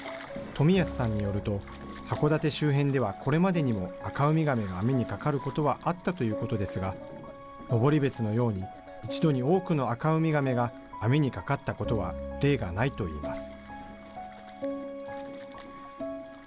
富安さんによると、函館周辺ではこれまでにもアカウミガメが網にかかることはあったということですが、登別のように、一度に多くのアカウミガメが網にかかったことは例がないといいます。